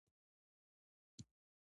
جوار په قطار کرل کیږي.